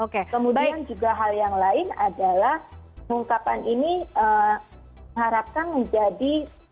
kemudian juga hal yang lain adalah pengungkapan ini harapkan menjadi